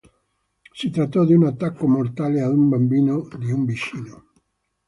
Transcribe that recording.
Si trattò di un attacco mortale ad un bambino di un vicino.